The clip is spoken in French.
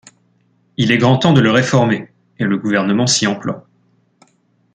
Il est grand temps de le réformer, et le gouvernement s'y emploie.